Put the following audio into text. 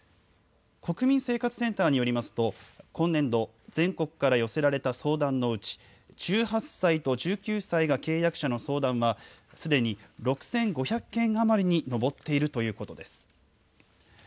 国民生活センターによりますと、今年度、全国から寄せられた相談のうち、１８歳と１９歳が契約者の相談は、すでに６５００件余りに上っているということです。